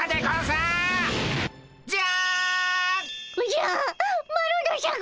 おじゃ？